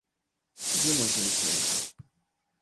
Znemožnili jsme jí to.